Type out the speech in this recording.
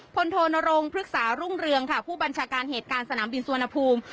โทนรงพฤกษารุ่งเรืองค่ะผู้บัญชาการเหตุการณ์สนามบินสุวรรณภูมิ